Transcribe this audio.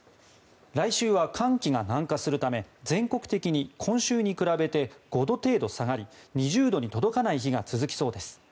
来週は寒気が南下するため全国的に今週に比べて５度程度下がり２０度に届かない日が続きそうです。